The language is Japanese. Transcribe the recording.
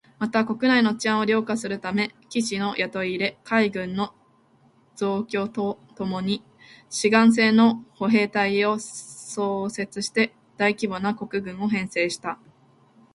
また、国内の治安を良化するため、騎士の雇い入れ、海軍の増強とともに志願制の歩兵隊を創設して大規模な国軍を編成した